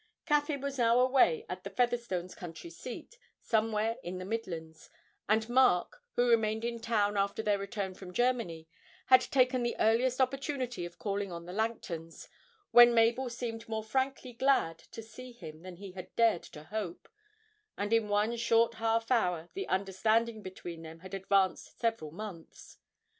Caffyn was now away at the Featherstones' country seat, somewhere in the Midlands, and Mark, who remained in town after their return from Germany, had taken the earliest opportunity of calling on the Langtons, when Mabel seemed more frankly glad to see him than he had dared to hope, and in one short half hour the understanding between them had advanced several months.